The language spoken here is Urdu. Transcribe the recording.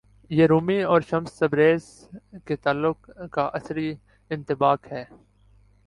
یہ رومی اور شمس تبریز کے تعلق کا عصری انطباق ہے۔